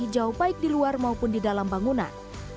di jauh baik di luar maupun di dalam bangunan